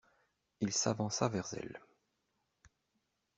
Il s'avança vers elles.